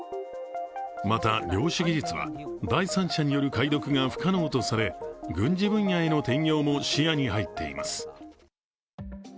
また、量子技術は第三者による解読が不可能とされ、軍事分野への転用も視野に入っています。